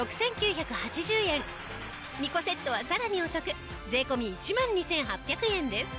２個セットはさらにお得税込１万２８００円です。